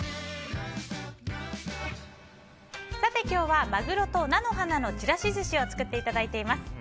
今日はマグロと菜の花のちらしずしを作っていただいています。